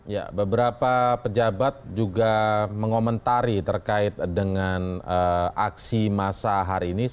ya beberapa pejabat juga mengomentari terkait dengan aksi masa hari ini